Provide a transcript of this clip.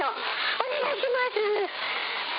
お願いします。